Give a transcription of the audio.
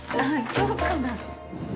そうかな？